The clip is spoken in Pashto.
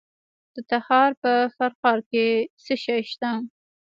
د تخار په فرخار کې څه شی شته؟